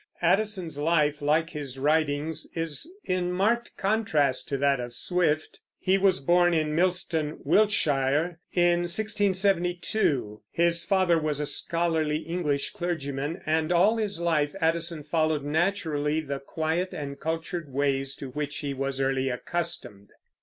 Addison's life, like his writings, is in marked contrast to that of Swift. He was born in Milston, Wiltshire, in 1672. His father was a scholarly English clergyman, and all his life Addison followed naturally the quiet and cultured ways to which he was early accustomed.